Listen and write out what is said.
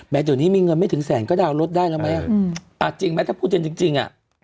แม้วันนี้มีเงินไม่ถึงแสนก็ได้เอารถได้นะไหมจริงไม่ถ้าพูดจริง